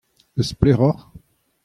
Eus pelec'h oc'h ?